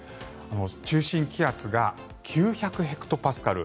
中心気圧が９００ヘクトパスカル。